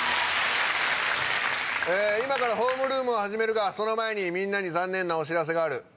今からホームルームを始めるがその前にみんなに残念なお知らせがある。